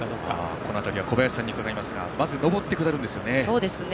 この辺りは小林さんに伺いますがまず上って下るんですね。